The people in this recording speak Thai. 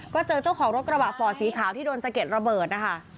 ก็เจอเจ้าของรถกระบะฟอร์ดสีขาวที่โดนสะเก็ดระเบิดนะคะ